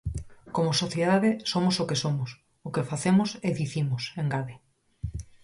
Como sociedade somos o que somos, o que facemos e dicimos, engade.